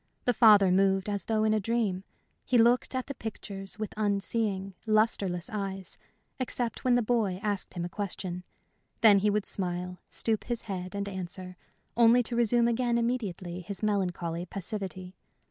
The father moved as though in a dream. He looked at the pictures with unseeing, lustreless eyes, except when the boy asked him a question. Then he would smile, stoop his head and answer, only to resume again immediately his melancholy passivity.